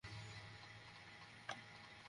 অনুবাদে- তাপস কুমার দাস।